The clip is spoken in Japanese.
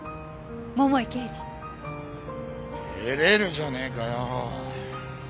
照れるじゃねえかよ。